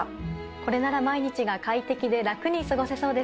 これなら毎日が快適で楽に過ごせそうですね。